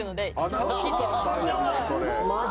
アナウンサーさんやもうそれ。